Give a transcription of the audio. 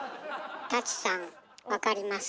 舘さん分かります？